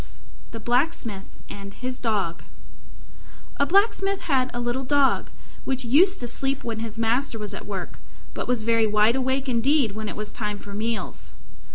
THE BLACKSMITH AND HIS DOG A Blacksmith had a little Dog, which used to sleep when his master was at work, but was very wide awake indeed when it was time for meals.